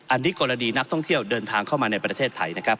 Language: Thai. อันนี้กรณีนักท่องเที่ยวเดินทางเข้ามาในประเทศไทยนะครับ